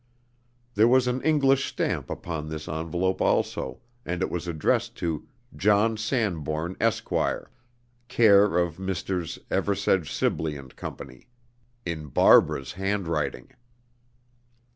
There was an English stamp upon this envelope also, and it was addressed to "John Sanbourne, Esq., care of Messrs. Eversedge Sibley and Company," in Barbara's handwriting.